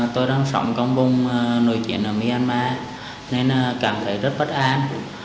tôi đang sống trong vùng nội chiến ở myanmar nên cảm thấy rất bất an